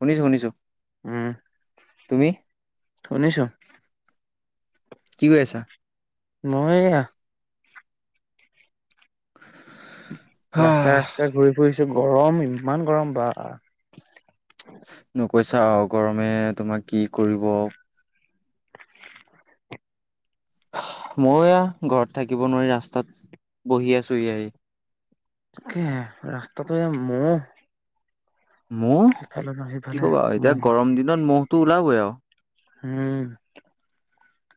অ'শুনিছো, শুনিছো তুমি? শুনিছোঁ। কি কৰি আছা? মই এয়া ৰাস্তাই, হাহ ৰাস্তাই ঘূৰি ফুৰিছো গৰম ইমান গৰম বা। ন'কৈছা আৰু গৰমে তোমাক কি কৰিব। মই এয়া ঘৰত থাকিব নোৱাৰি ৰাস্তাত বহি আছোঁহি আহি। তাকেহে ৰাস্তাটো এ, মৌ মৌহ নহয় কি সিফালে ক'বা আৰু এতিয়া মহ গৰম দিনত মহটো ওলাবই আৰু। উম,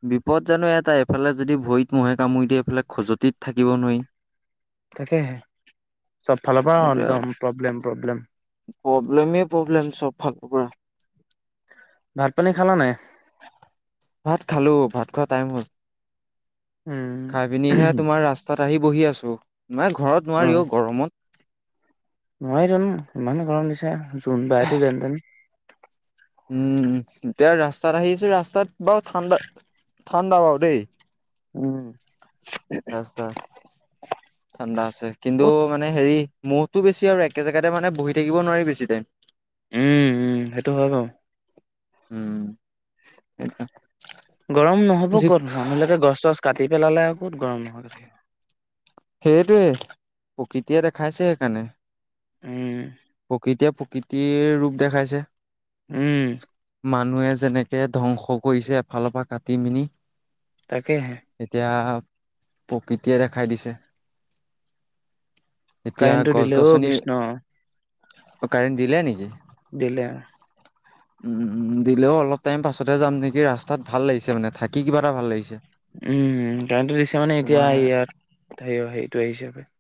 বিপদ জানো এটাই এফালে যদি ভৰিত মহে কামুৰি দিয়ে এইফালে খজতিত থাকিব নোৱাৰি। তাকেহে চব ফালৰ পৰা একদম প্ৰব্লেম, প্ৰব্লেম। প্ৰব্লেমেই প্ৰব্লেম চব ভাল পৰা। ভাত-পানী খালা নাই? ভাত খালোঁ ভাত খোৱা টাইম হ'ল। উম, খায় পিনিহে তোমাৰ ৰাস্তাত আহি বহি আছো নাই ঘৰত নোৱাৰিও অ'গৰমত। নোৱাৰি জানো ইমানে গৰম দিছে জোনবাইতো যেনতেন। উম, এতিয়া ৰাস্তাত আহিছো ৰাস্তাত বাৰু ঠাণ্ডা, ঠাণ্ডা বাৰু দেই। উম, ৰাস্তা [inaudible] ঠাণ্ডা আছে কিন্তু ক'ত মানে হেৰি মহটো বেছি আৰু একে জেগাতে মানে বহি থাকিব নোৱাৰি বেছি টাইম। উম, উম সেইটো হয় বাৰু। উম, এইটা গৰম নহ'ব ক'ত মানুহবিলাকে গছ-চছ কাটি পেলালে আৰু ক'ত গৰম নহ সেইটোৱে প্ৰকৃতিয়ে দেখাইছে সেইকাৰণে। উম, প্ৰকৃতিয়ে প্ৰকৃতিৰ ৰূপ দেখাইছে। উম, মানুহে যেনেকে ধ্বংস কৰিছে এফালৰ পা কাটি- মিনি। তাকেহে। এতিয়া প্ৰকৃতিয়ে দেখাই দিছে। এতিয়া কাৰেণ্টটো দিলে অ' গছ-গছনি, কৃষ্ণ কাৰেণ্ট দিলে নেকি? দিলে। দিলেও অলপ টাইম পাছতে যাম নেকি ৰাস্তাত ভাল লাগিছে মানে থাকি কিবা ভাল লাগিছে। উম' কাৰেণ্টটো দিছে মানে এতিয়া তোমাৰ ইয়াত সেইটো আহিছে সপাই।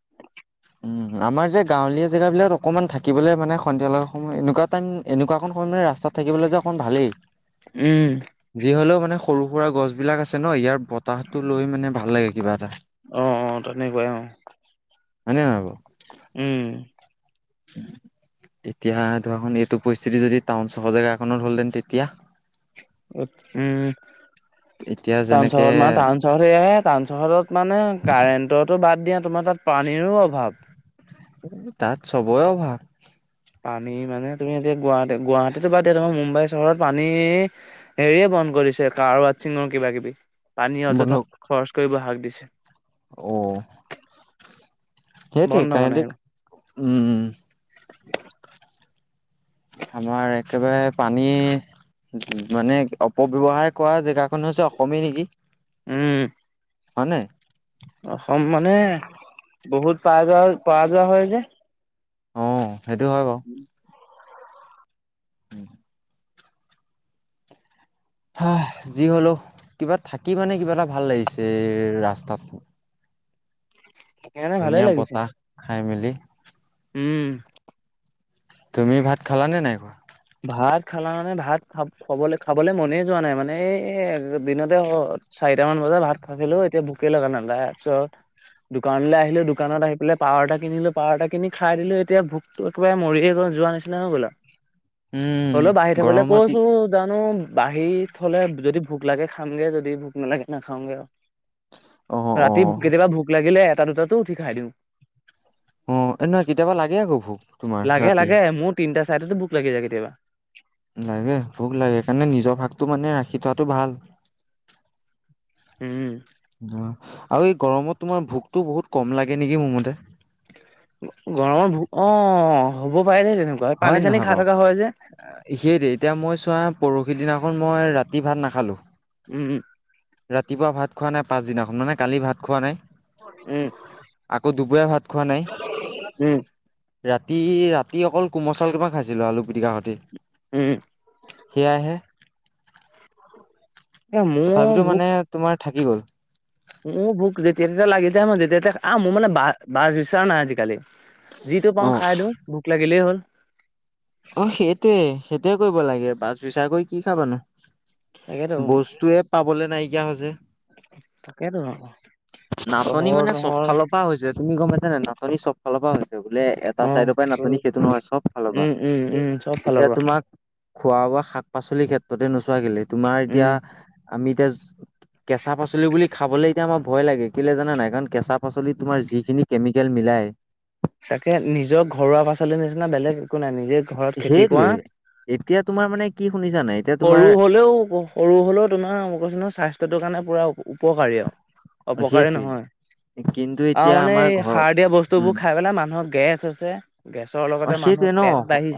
আমাৰ যে গাঁৱলীয়া জেগাবিলাক অকণমান থাকিবলে মানে সন্ধিয়া লগা সময় এনেকুৱাত এনেকুৱা অকণ সময়ত মানে ৰাস্তাত থাকিবলে যে অকমান ভালেই। উম'। যি হ'লেও মানে সৰু-সুৰা গছ বিলাক আছে ন, ইয়াৰ বতাহটো লৈ মানে ভাল লাগে কিবা এটা। অ'অ' তেনেকুৱাই অ'। হয় নে নহয় বাৰু। উম'। এতিয়া ধৰা মানে এইটো পৰিস্থিতি যদি টাউন চহৰ জেগাকনত হ'লহেতেন তেতিয়া? উম' এতিয়া টাউন যেনেকে চহৰত মানে টাউন চহৰত। সেয়াহে টাউন চহৰত মানে কাৰেণ্টতো বাদ দিয়া তোমাৰ তাত পানীৰো অভাৱ। তাত চবৰে অভাৱ। পানী মানে তুমি এতিয়া গুৱাহাটী, গুৱাহাটীতো বাদ দিয়া তোমাৰ মুম্বাই চহৰত পানী হেৰিয়ে বন্ধ কৰি দিছে। কাৰ ৱচিঙৰ কিবা-কিবি, পানী বন্ধ অযথা খৰচ কৰিব শাক দিছে। অ'। সেইটোৱে বন্ধ মানে সেইবোৰ কাৰেণ্টটো, উম'। আমাৰ একেবাৰে পানী মানে অপব্যৱহাৰ কৰা জেগাকনে হৈছে অসমেই নেকি। উম'। হয় নে? অসম মানে, বহুত পাৰাজ, পৰাজয় হয় যে। অ' সেইটো হয় বাৰু। হা, যি হলেওঁ কিবা থাকি মানে কিবা এটা ভাল লাগিছে ৰাস্তাত। সেইকাৰণে ভালে ধুনীয়া লাগিছে বতাহ খাই মেলি। উম'। তুমি ভাত খালানে, নাই খোৱা? ভাত খালা মানে, ভাত খাব খাব খাবলে মনে যোৱা নাই, মানে এই দিনতে চাৰিটা মান বজাত ভাত খাইছিলো, এতিয়া ভোকে লগা নাই, তাৰপিছত দোকানলে আহিলো দোকানত আহি পাৱাৰ এটা কিনিলো, পাৱাৰ এটা কিনি খাই দিলোঁ এতিয়া ভোক তোৰ একেবাৰে মৰিয়ে যোৱা নিচিনা হৈ গ'ল আও। উম হলো বাঢ়ি থবলে গৰমত কৈছো জানো। বাঢ়ি থলে যদি ভোক লাগে খামগে, যদি ভোক নালাগে নাখাওগে আও। অ অ ৰাতি কেতিয়াবা ভোক লাগিলে এটা দুটাটো উঠি খাই দিওঁ। অ' এ নহয় কেতিয়াবা লাগে আক ভোক তোমাৰ লাগে ৰাতি। লাগে মোৰ তিনিটা চাৰিটাটো ভুক লাগি যায় কেতিয়াবা। লাগে ভোক লাগে, সেইকাৰণে নিজৰ ভাগটো মানে ৰাখি থোৱাটো ভাল। উম'। অ' আৰু এই গৰমত তোমাৰ ভোকতো বহুত কম লাগে নেকি মোৰ মতে। গৰমৰ ভো, অ' হ'ব পাৰে দেই তেনেকুৱা, পানী চানী খাই থকা হয় যে। সে দেই এতিয়া মই চোৱা পৰহি দিনাখন মই ৰাতি ভাত নাখালো। উম, ৰাতিপুৱা ভাত খোৱা নাই পাঁচদিনাখন মানে কালি ভাত খোৱা নাই। উম, আকৌ দুপৰীয়া ভাত খোৱা নাই উম, ৰাতি, ৰাতি তি অকল কোমল চাউল কেইটামান খাইছিলোঁ আলু পিটিকাৰ সৈতে। উম, সেয়াহে। এ মোৰ তথাপিতো ভোক মানে তোমাৰ থাকি গ'ল। মোৰ ভোক যেতিয়া তেতিয়া লাগি যায় মই যেতিয়া আহ মোৰ মানে বা বাছ বিচাৰা নাই আজিকালি। যিটো অ পাওঁ খাই দিও ভোক লাগিলেই হ'ল। অ' সেইটয়ে সেইটয়ে কৰিব লাগে বাছ বিচাৰ কৰি কি খাবানো। তাকেতো বস্তুয়ে পাবলে নাইকিয়া হৈছে। তাকেইতো নহ নাটনি চহৰ মানে - চব নহৰ ফালৰ হৈছে তুমি গমাইছ নে নাটনি চব ফালৰ পৰা হৈছে বোলে এটা অ', চাইডৰ পৰা নাটনি সেইটো নহয় চব ফালৰ পৰা। উম, উম, উম, চব ফালৰ এতিয়া পৰা তোমাক খোৱা বোৱা শাক-পাচলিৰ ক্ষেত্ৰতে নোচোৱা কেলে। তোমাৰ উম। এতিয়া আমি এতিয়া কেঁচা পাচ পাচলি বুলি খাবলৈ এতিয়া আমাৰ ভয় লাগে কেলৈ জানা নাই কাৰণ কেঁচা পাচলিত তোমাৰ যিখিনি কেমিকেল মিলাই তাকে নিজৰ ঘৰুৱা পাচলিৰ নিচিনা বেলেগ একো নাই নিজে ঘৰত খেতি কৰা সেইটোৱে এতিয়া তোমাৰ মানে কি শুনিছা নাই এতিয়া তোমাৰ সৰু হলেও হব। সৰু হ'লেও তোমাৰ মোই কৈছো না স্বাস্থ্যটোৰ কাৰণে পূৰা উপকাৰী আৰু। অপকাৰে সেইটোৱে নহয় কিন্তু আৰু এতিয়া মানে আমাৰ এই ঘৰৰ সাৰ দিয়া উম বস্তুবোৰ সেইকাৰণে মানুহৰ গেছ হৈছে। গেছৰ অলপ অ'সেইটোয়ে ন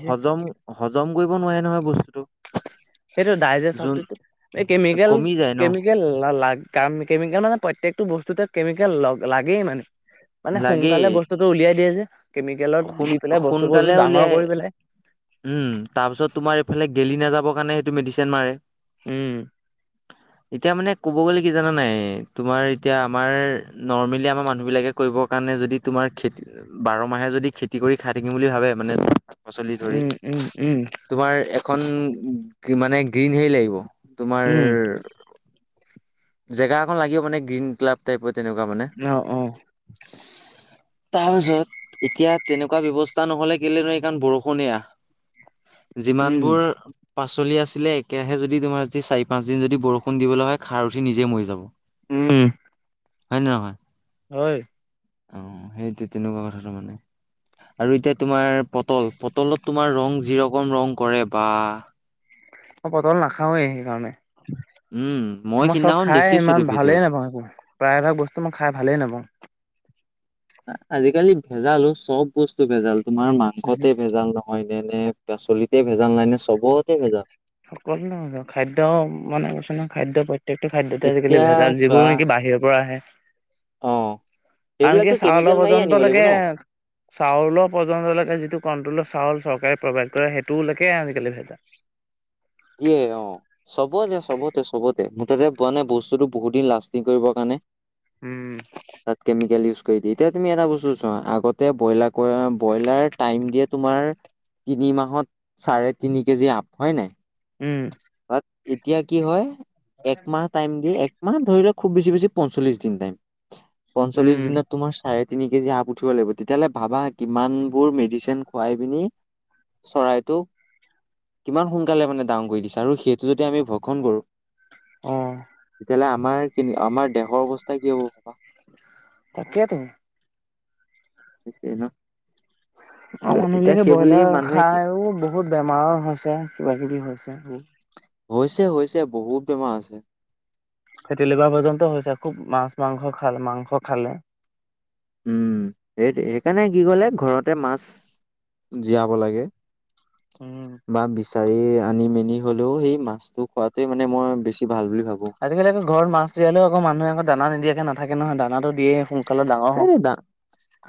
হজম হজম কৰিব নোৱাৰে নহয় বস্তুটো। সেইটো ডাইজেশন যোন শক্তি এই কেমিকেল কমি যায় ন কেমিকেল লা লাগ কেমিকেল মানে প্ৰত্যেকটো বস্তুতে কেমিকেল লাগেই মানে মানে লাগেই সোনকালে বস্তু। বস্তুটো উলিয়াই দিয়ে যে কেমিকেলত সোন দি পেলাই বস্তুবোৰটো সোনকালে ডাঙৰ উলিয়াই কৰি পেলাই। উম,। তাৰ পিছত তোমাৰ এইফালে গেলি নাযাবৰ কাৰণে সেইটো মেডিচিন মাৰে উম, এতিয়া মানে ক'ব গ'লে কি জানা নে নাই তোমাৰ এতিয়া আমাৰ নৰ্মেলি আমাৰ মানুহ বিলাকে কৰিব কাৰণে যদি তোমাৰ খেত বাৰ মাহে যদি খেতি কৰি খাই থাকিম বুলি মানে পাচলি ধৰি উম উম উম তোমাৰ এখন মানে গ্ৰীণ হেৰি লাগিব তোমাৰ উম জেগা অকন লাগিব‌ মানে গ্ৰীণ ক্লাব টাইৰ তেনেকুৱা মানে। অ'অ'। তাৰ পিছত এতিয়া তেনেকুৱা ব্যৱস্থা নহলে কেলেন ৰ কাম বৰষুণে আহ। [inaudible] যিমান বোৰ পাচলি আছিলে একেৰাহে যদি তোমাৰ যদি চাৰি পাঁচ দিন যদি বৰষুণ দিবলৈ হয় খাৰ সি নিজে মৰি যাব। উম, হয় নে নহয়? হয়। অ', সেইটো তেনেকুৱা কথা তাৰ মানে। আৰু এতিয়া তোমাৰ পটল পটলত তোমাৰ ৰং যি ৰকম ৰং কৰে বা। মই পটল নাখাওৱেই, সেইকাৰণে। উম মই চব সিদিনাখন খাই দেখিছিলো ইমান ভিডিঅ'ত ভালেই নাপাওঁ একো প্ৰায় ভাগ বস্তু মই খাই ভালেই নাপাওঁ। আজিকালি ভেজাল চব বস্তু ভেজাল তোমাৰ মাংসতে ভেজাল নহ হয় [unintelligible] পাচলিতে ভেজাল নাই নে চবতে ভেজাল। সকলো নহয় খাদ্য মানে কৈছো নহয় খাদ্য পৈ প্ৰত্যেকটো খাদ্যতে আজিকালি এতিয়া ভেজাল যিবোৰো চোৱা নেকি বাহিৰৰ পৰা আহে। অ'। আনকি সেইবিলাকতো চাউল কেমিকেল মাৰি পৰ্যন্ত আনিব লাগিব লৈকে। ন চাউলৰ পৰ্যন্তলৈকে যিটো কণ্ট্ৰলৰ চাউল চৰকাৰে প্ৰভাইড কৰে সেইটোলৈকে আজিকালি ভেজাল। [unintelligible] অ'। চবতে, চবতে, চবতে মুঠতে পোৱা নাই বস্তুটো বহুত দিন লাষ্টিং কৰিবৰ কাৰণে। উম, তাত কেমিকেল ইউজ কৰি দিয়ে। এতিয়া তুমি এটা বস্তু চোৱা আগত [unintelligible] ব্ৰইলাৰ [unintelligible] ব্ৰইলাৰ টাইম দিয়ে তোমাৰ তিনি মাহত চাৰে তিনি কেজি আপ হয় নে নাই। উম। বাত এতিয়া কি হয় একমাহ টাইম দি এক মানে ধৰি লোৱা খুব বেছি, বেছি পঞ্চল্লিশ দিন টাইম পঞ্চল্লিশ উম, দিনত। তোমাৰ চাৰে তিনি কেজি আপ উঠিব লাগিব তেতিয়াহ'লে ভাবা কিমান বোৰ মেডিচিন খুৱাই পিনি চৰাইটো কিমান সোনকালে মানে ডাঙ [unintelligible] সেইটো যদি আমি ভক্ষণ কৰোঁ। অ'। তেতিয়াহ'লে আমাৰ [unintelligible] আমাৰ দেহৰ অৱস্থা কি হ'ব ভাৱ। তাকেতো। ট্ৰেইনৰ আমাৰ মানুহ বিলাকে ব্ৰইলাৰ মানুহে কি খাইও বহুত বেমাৰৰ হৈছে কিবা কিবি হৈছে। হৈছে, হৈছে বহুত বেমাৰ হৈছে। ফেটি লিভাৰ পৰ্যন্ত হৈছে খুব মাছ মাংস খাল মাংস খালে। উম সেইটো সেইকাৰণে কি ক'লে ঘৰতে মাছ জীয়াৱ লাগে। উম, বা বিছ [unintelligible] আনি মেনি হ'লেও‍ঁ সেই মাছটো খোৱাটোৱে মানে মই বেছি ভাল বুলি ভাবোঁ। আজিকালি আকৌ ঘৰত মাছ জীয়ালেওঁ আকৌ মানুহে আকৌ দানা নিদিয়াকে নাথাকে নহয় দানাটো দিয়ে সো এই দা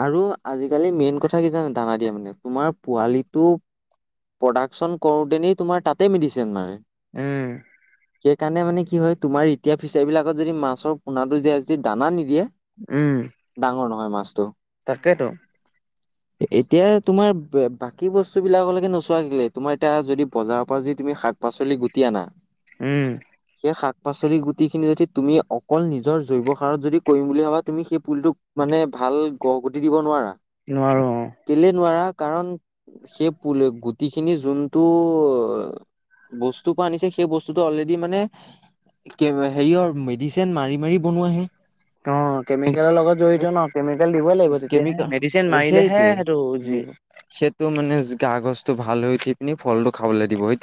আৰু আজি কালি মেইন কথা কি জানা দানা দিয়া মানে তোমাৰ পোৱালিটো প্ৰডাকশ্যন কৰোঁ তেনেই তোমাৰ তাতে মেডিচিন মাৰে। উম। সেইকাৰণে মানে কি হয় তোমাৰ এতিয়া ফিচাৰী বিলাকত যদি মাছৰ পোনাটো যে আদি দানা নিদিয়ে উম। ডাঙৰ নহয় মাছটো। তাকেতো। এতিয়া তোমাৰ বাকী বস্তু বিলাকৰ লৈকে নচ তোমাৰ এতিয়া যদি বজাৰৰ পৰা যদি তুমি শাক পাচলি গুটি আনা। উম। সেই শাক পাচলি গুটি খিনি যদি তুমি অকল নিজৰ জৈৱ সাৰত যদি কৰিম বুলি ভাবা তুমি সেই পুলিটোক মানে ভাল গহগতি দিব নোৱাৰা। নোৱাৰোঁ। কেলে নোৱাৰা কাৰণ সেই পোল গো খিনি যোনটো বস্তু পা আনিছে সেই বস্তুটো অলৰেডি মানে কি হেৰিয়ৰ মেডিচেন মাৰি, মাৰি বনোৱাহে। অ'! কেমিকেলৰ লগত জড়িত ন'। কেমিকেল দিবই লাগিব, তেতিয়াহে। কেমিকেল মেডিচিন মাৰিলেহে, সেইটোৱে সেইটো জী সেইটো মানে, গা-গছটো ভাল হৈ, উঠি পিনি, ফলটো খাবলৈ দিব। [unintelligible]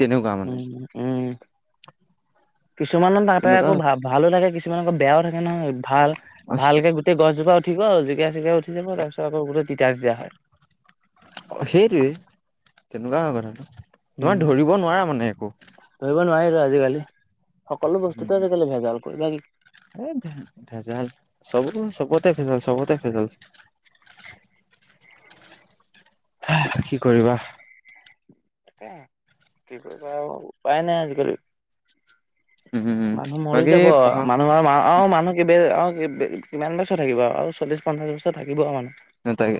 উম, মানে উম। কিছুমানৰ তাতে, তেনেকুৱা আকৌ ভা-ভালোঁ থাকে। কিছুমান আকৌ, বেয়াও থাকে নহয়, ভাল-ভালকে গু এই, গছজোপা উঠিব। জিকাই-চিকাই উঠি যাব, তাৰপিছত আকৌ, গোটেই তিতা-তিতা হয়। অ'! সেইটোৱে, তেনেকুৱা হয়, কথাটো। উম তোমাৰ, ধৰিব নোৱাৰা মানে, একো। ধৰিব নোৱাৰি ত' আজিকালি। সকলো উম বস্তুতে, আজিকালি ভেজাল [unintelligible] এই, ভেজাল, চব-চবতে ভেজাল, চবতে ভেজাল। [inaudible] [unintelligible] কি কৰিবা? এ, কি কৰিবা আৰু! উপায় নাই আজিকালি। উম মানুহ মৰি বাকী যাব অ' পঢ়া মানুহ [unintelligible] মানুহ [unintelligible] কিমান বছৰ থাকিব আৰু চল্লিশ, পঞ্চাশ বছৰ থাকিব আৰু মানুহ। তাকে,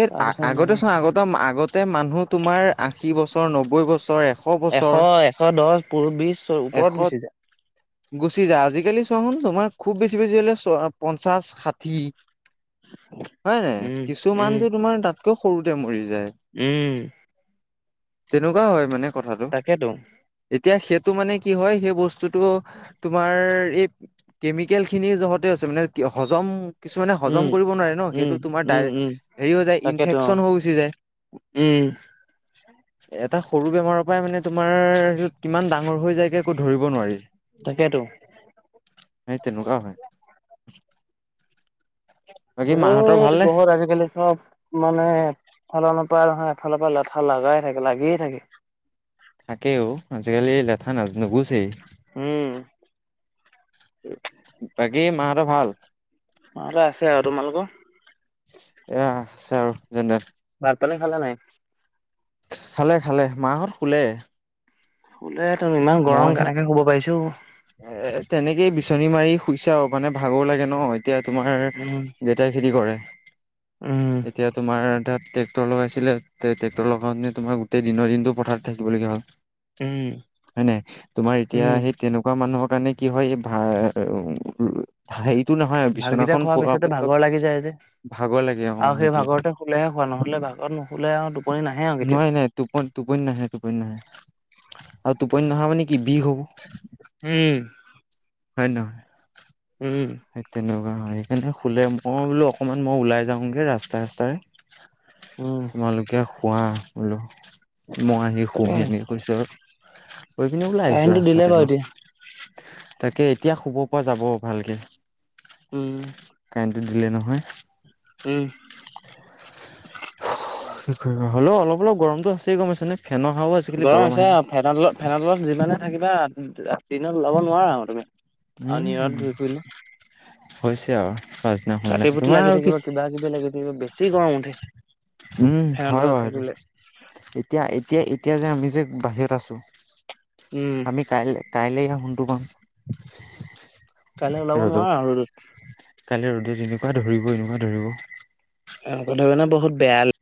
এই তাৰপিছত মানুহ আগতে চোন, আগত একদম আগতে মানুহ তোমাৰ, আশী বছৰ, নব্বৈ বছৰ, এ এশ, এশ দহ, [unintelligible] বিছ, এশ ওপৰত গুচি যায়। গুচি যায়। আজিকালি, চোৱাচোন তোমাৰ, খুউব বেছি-বেছি হ'লে, পঞ্চাশ, ষাঠি। [unintelligible] হয়ে নাই? উম উম কিছুমান যে তোমাৰ, তাতকৈ সৰুতে মৰি যায়। উম! তেনেকুৱা হয় মানে, কথাটো। তাকেতো এতিয়া, সেইটো মানে কি হয়, সেই বস্তুটো তোমাৰ, এই, কেমিকেল খিনি যহতে আছে, মানে। হজম, কিছুমানে হজম উম কৰিব নোৱাৰে ন'! উম সেইটো। [unintelligible] উম উম সেৰি হৈ যায়, তাকেতো অ ইনফেকচন হৈ গুচি যায়। উম এটা সৰু বেমাৰৰ পৰাই মানে, তোমাৰ কিমান ডাঙৰ হৈ যায়গে, একো ধৰিব নোৱাৰি। তাকেতো সেই, তেনেকুৱা হয়। বাকী মাহঁতৰ [unintelligible] ভালনে বহুত আজিকালি চব মানে, এফালৰ পৰা নহয়, এফালৰ পৰা লেঠা লাগাই থাকে, লাগিয়ে থাকে। তাকে অ'! আজিকালি, লেঠা নাজ, নুগুচেই। উম! বাকী, মাহঁতৰ ভাল? মাহঁতে আছে আৰু তোমালোকৰ? এয়া, আছে আৰু যেনে ভাত-পানী খালা নাই? খালে-খালে, মাহঁত শুলে। শুলে [unintelligible] ইমান গৰম! মইহে কেনেকে শুব পাৰিছে অ'? এ, তেনেকেই বিচনী মাৰি শুইছে আওঁ। মানে, ভাগৰ লাগে ন'! এতিয়া তোমাৰ, উম যে তাই খেতি কৰে। উম এতিয়া তোমাৰ, তাত ট্ৰেক্টৰ লগাইছিলে, ট্ৰেক্টৰ লগাওঁতে তোমাৰ, গোটেই দিনৰ দিনটো পথাৰত থাকিবলগীয়া হ'ল। উম হয় নাই? তোমাৰ এতিয়া, উম সেই তেনে কুৱা মানুহৰ কাৰণে, কি হয়! এই, ভা [unintelligible] সেৰিটো নহয়। ভাতকেইটা বিচনাখন খোৱাৰ পৰাৰ পিছতে ক্ষেত্ৰত, ভাগৰ লাগি যায় যে ভাগৰ লাগে, অ'! আৰু সেই, সেইটোৱে ভাগৰতে শুলেহে শুৱা, নহ'লে ভাগৰত নুশুলে আৰু টোপনি নাহে আৰু কে নোৱাৰি-নোৱাৰি, টোপ-টোপনী নাহে, টোপনী নাহে। আৰু টোপনী নহা মানে কি! বিষ হ'ব। উম। হয় নহয়? উম। সেই তেনেকুৱা হয়, সেইকাৰণে শুলে মই বোলো অকণমান মই ওলাই যাওঁগে ৰাস্তাই ৰাস্তাৰে উম, - তোমালোকে শুৱা বোলো। মই আহি তাকে শুমহি এনেকে কৈছো আৰু, কৈ পিনে ওলাই আহিছো কাৰেণ্টটো দিলে ৰাস্তাত বাৰু অলপ। এতিয়া তাকে এতিয়া শুব পৰা যাব ভালকে। উম। কাৰেণ্টটো দিলে নহয়। উম। কি কৰিম আৰু, হ'লো অলপ অলপ গৰমটো আছেই গম পাইছ নে? গৰম আছে অ, ফেনৰতলত ফেনৰতলত যিমানে থাকিবা দিনত ওলাব নোৱাৰা আৰু তুমি। আৰু উম নিয়ৰত ঘূৰি ফুৰিলে - হৈছে আৰু পাচদিনাখনলে তোমাৰ আৰু কি - বা আজি বেলেগে এদি কিন্তু বেছি গৰম উঠে। উম ফেনৰ হয় তলত বাৰু থাকিলে সেইটো। এতিয়া এতিয়া এতিয়া যে আমি যে বাহিৰত আছো, উম, আমি কাইলে - কাইলে ইয়াৰ সোনটো পাম। কাইলে ওলাব ৰ'দত নোৱাৰা আৰু ৰদত। কাইলে ৰ'দে এনেকুৱা ধৰিব এনেকুৱা ধৰিব - আন কথা কাৰণে বহুত বেয়া -